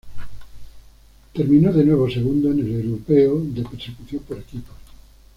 Terminó de nuevo segundo en el europeo de persecución por equipos.